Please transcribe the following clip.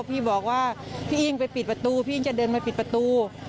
พี่บอกว่าพี่อิ้งไปปิดประตูพี่อิ้งจะเดินมาปิดประตู